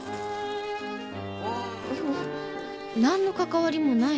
何の関わりもないよ。